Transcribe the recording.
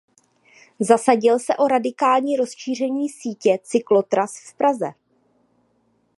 Zasadil se o radikální rozšíření sítě cyklotras v Praze.